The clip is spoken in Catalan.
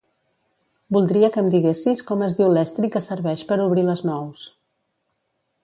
Voldria que em diguessis com es diu l'estri que serveix per obrir les nous.